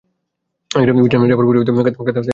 বিছানায় যাবার পরিবর্তে খাতা হাতে বসার ঘরে ঢুকলেন।